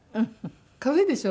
可愛いでしょ？